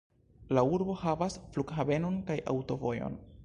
La urbo havas flughavenon kaj aŭtovojon.